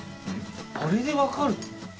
「あれ」で分かるの？